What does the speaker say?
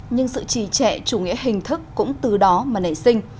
nhưng sự trì trệ chủ nghĩa hình thức cũng từ đó mà nảy sinh